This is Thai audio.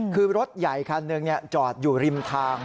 คือรถใหญ่คันหนึ่งจอดอยู่ริมทาง